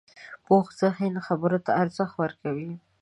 پوخ ذهن خبرو ته ارزښت ورکوي